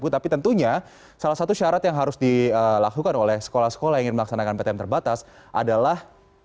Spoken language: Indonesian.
tapi tentunya salah satu syarat yang harus dilakukan oleh sekolah sekolah yang ingin melaksanakan ptm terbatas adalah